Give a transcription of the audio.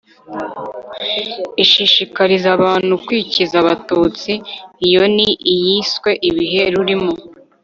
ishishikariza abantu kwikiza abatutsi. iyo ni iyiswe 'ibihe rurimo